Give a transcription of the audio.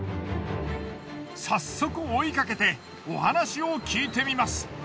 早速追いかけてお話を聞いてみます。